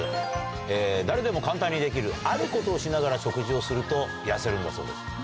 誰でも簡単にできるあることをしながら食事をすると痩せるんだそうです。